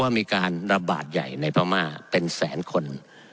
มีการระบาดใหญ่ในพม่าเป็นแสนคน